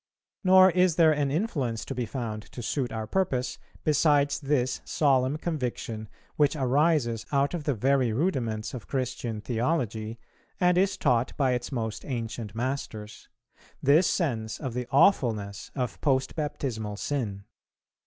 Nor is there an influence to be found to suit our purpose, besides this solemn conviction, which arises out of the very rudiments of Christian theology, and is taught by its most ancient masters, this sense of the awfulness of post baptismal sin.